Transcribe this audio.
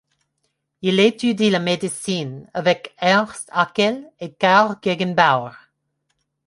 Il étudie la médecine avec Ernst Haeckel et Karl Gegenbaur.